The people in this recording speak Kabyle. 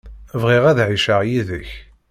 Bɣiɣ ad ɛiceɣ yid-k.